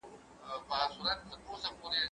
ونې ته اوبه ورکړه!.